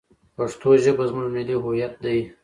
پښتو ژبه زموږ ملي هویت دی.